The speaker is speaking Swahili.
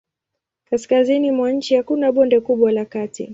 Kaskazini mwa nchi hakuna bonde kubwa la kati.